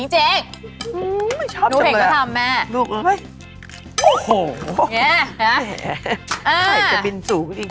จริง